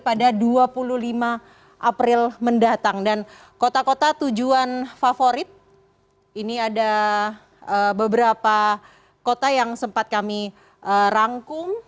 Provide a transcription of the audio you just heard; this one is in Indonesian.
pada dua puluh lima april mendatang dan kota kota tujuan favorit ini ada beberapa kota yang sempat kami rangkum